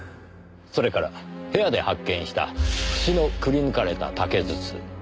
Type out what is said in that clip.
それから部屋で発見した節のくり抜かれた竹筒。